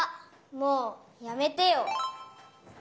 もうやめてよ。